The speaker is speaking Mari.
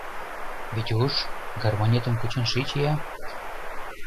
Витюш, гармонетым кучен шич-я!